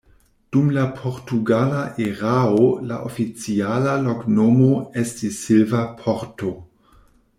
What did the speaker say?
Dum la portugala erao la oficiala loknomo estis Silva Porto.